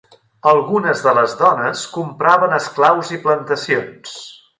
Algunes de les dones compraven esclaus i plantacions.